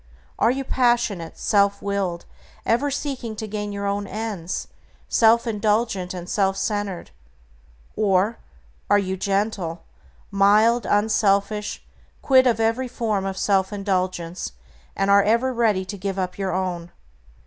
Are you passionate, self willed, ever seeking to gain your own ends, self indulgent, and self centered; or are you gentle, mild, unselfish, quit of every form of self indulgence, and are ever ready to give up your own?